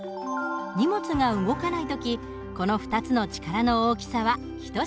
荷物が動かない時この２つの力の大きさは等しくなります。